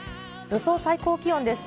予想最高気温です。